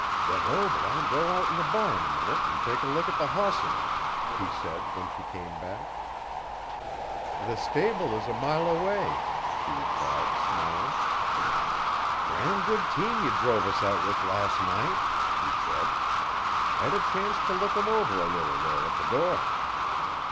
'Dunno but I'll go out to the barn a minnit 'n take a look at the hosses,' he said when she came back. 'The stable is a mile away,' she replied smiling. 'Gran' good team ye druv us out with las' night,' he said. 'Hed a chance t'look 'em over a leetle there at the door.